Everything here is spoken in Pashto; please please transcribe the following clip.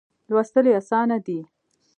لوستل یې آسانه دي.